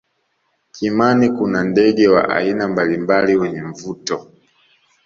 kimani kuna ndege wa aina mbalimbali wenye mvuto